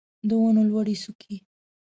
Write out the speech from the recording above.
د ونو لوړې څوکې